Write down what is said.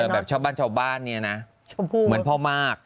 แบบชาวบ้านนี่นะเหมือนพ่อมาก